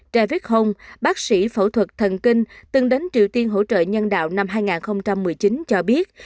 trẻ việt hồng bác sĩ phẫu thuật thần kinh từng đến triều tiên hỗ trợ nhân đạo năm hai nghìn một mươi chín cho biết